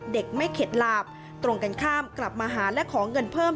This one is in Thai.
เด็กไม่เข็ดหลาบตรงกันข้ามกลับมาหาและขอเงินเพิ่ม